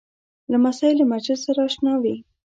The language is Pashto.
لمسی له مسجد سره اشنا وي.